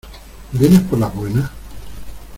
¿ Vienes por las buenas?